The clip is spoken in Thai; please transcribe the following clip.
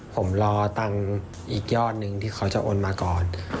ผมรอตังค์อีกยอดนึงที่เขาจะโอนมาก่อน